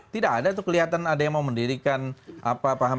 tidak ada kelihatan ada yang mau mendirikan apa apa